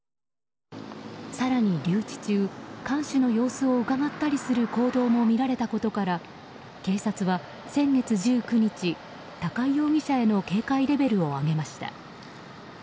更に留置中、看守の様子をうかがったりする行動も見られたことから警察は、先月１９日高井容疑者への警戒レベルを上げました。